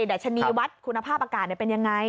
ดัชนีวัดคุณภาพอากาศเป็นยังไง